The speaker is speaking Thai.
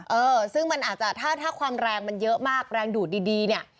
เออซึ่งมันอาจจะถ้าถ้าความแรงมันเยอะมากแรงดูดดีเนี่ย